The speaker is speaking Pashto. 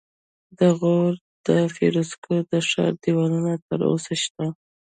د غور د فیروزکوه د ښار دیوالونه تر اوسه شته